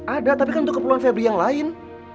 ada tapi kan untuk keperluan febri yang lain